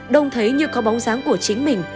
đông thấy như có bóng dáng của chính mình